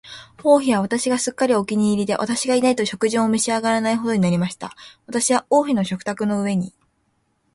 王妃は私がすっかりお気に入りで、私がいないと食事も召し上らないほどになりました。私は王妃の食卓の上に、